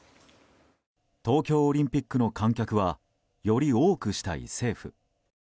東京オリンピックの観客はより多くしたい政府。